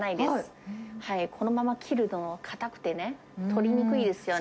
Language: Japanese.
このまま切ると硬くてね、取りにくいですよね。